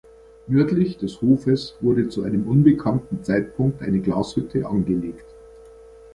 Nördlich des Hofes wurde zu einem unbekannten Zeitpunkt eine Glashütte angelegt.